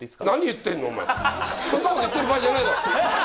「何言ってるの？」。